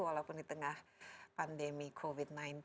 walaupun di tengah pandemi covid sembilan belas